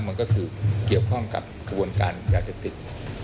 มันก็คือเกี่ยวข้องกับกระบวนการปริยาคติก